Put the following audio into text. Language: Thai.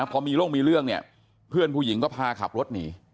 พอมีร่มมีเรื่องเนี่ยเพื่อนผู้หญิงก็พาขับรถหนี